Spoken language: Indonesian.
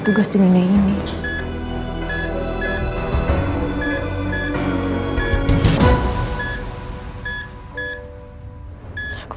kok kita lagi misalnya mbak